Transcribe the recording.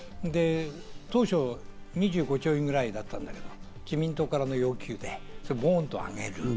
当初２５兆円ぐらいだったのが自民党からの要求で、ボンと上げる。